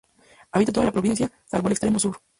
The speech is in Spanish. Habita toda la provincia salvo el extremo sur.